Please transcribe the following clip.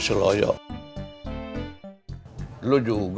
capek deh gua ngomong sama lu pegel